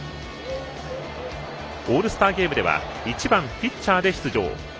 オールスターゲームでは１番ピッチャーで出場。